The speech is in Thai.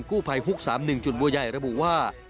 กู้ภัยฮุก๓๑จุดบัวใหญ่ระบุว่า